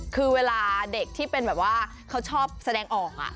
คือเวลาเด็กที่เป็นแบบว่าเขาชอบแสดงออก